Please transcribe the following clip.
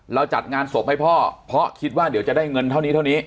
จัดงานศพให้พ่อเพราะคิดว่าเดี๋ยวจะได้เงินเท่านี้เท่านี้